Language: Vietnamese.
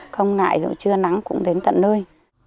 không ngại dù chưa nắng cũng đến tận nơi